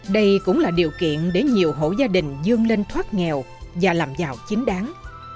đây cũng là điều kiện để nhiều hộ gia đình dương lên thoát nghèo và làm giàu chính đáng